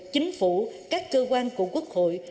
chính phủ các cơ quan của quốc hội